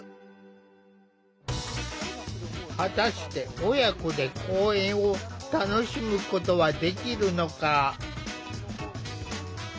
果たして親子で公園を楽しむことはできるのか。